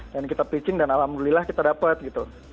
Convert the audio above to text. dan kita pitching dan alhamdulillah kita dapat gitu